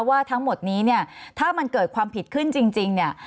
ว่าทั้งหมดนี้เนี่ยถ้ามันเกิดความผิดขึ้นจริงเนี่ย